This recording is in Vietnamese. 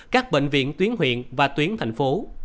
các bệnh viện tuyến huyện và tuyến thành phố